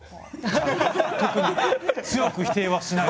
特に強く否定はしない。